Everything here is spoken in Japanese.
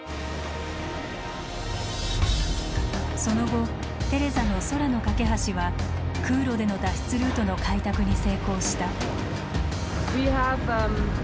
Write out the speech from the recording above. その後テレザの空の架け橋は空路での脱出ルートの開拓に成功した。